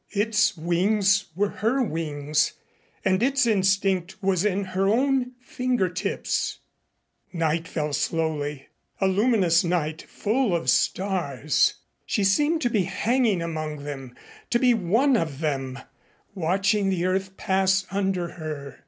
Its wings were her wings and its instinct was in her own fingertips. Night fell slowly, a luminous night full of stars. She seemed to be hanging among them to be one of them watching the earth pass under her.